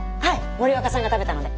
森若さんが食べたので。